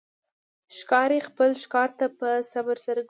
ښکاري خپل ښکار ته په صبر سره ګوري.